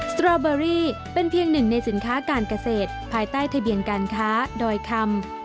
สตรอเบอรี่เป็นเพียงหนึ่งในสินค้าการเกษตรภายใต้ทะเบียนการค้าดอยคำ